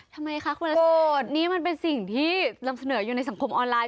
ทำไมคะคุณโสดนี่มันเป็นสิ่งที่นำเสนออยู่ในสังคมออนไลน